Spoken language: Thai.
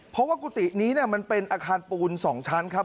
เพราะว่ากุฏินี้มันเป็นอาคารปูน๒ชั้นครับ